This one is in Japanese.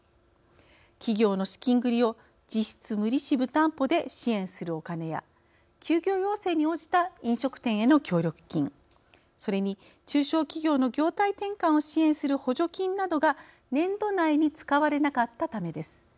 企業の資金繰りを実質無利子無担保で支援するおカネや休業要請に応じた飲食店への協力金それに、中小企業の業態転換を支援する補助金などが年度内に使われなかったためです。